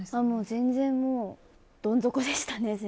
全然もうどん底でしたね。